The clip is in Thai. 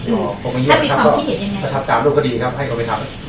ถ้ามีความที่เห็นอย่างไง